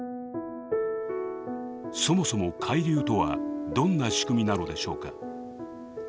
そもそも海流とはどんな仕組みなのでしょうか。